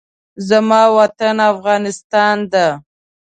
زما وطن افغانستان ده